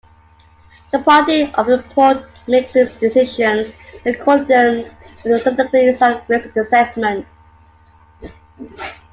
The Party of import makes its decisions in accordance with scientifically sound risk assessments.